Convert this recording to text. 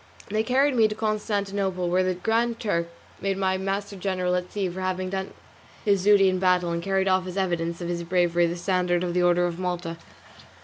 They carried me to Constantinople, where the Grand Turk, Selim, made my master general at sea for having done his duty in the battle and carried off as evidence of his bravery the standard of the Order of Malta.